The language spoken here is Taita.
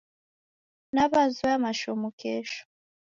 Nawazoya mashomo kesho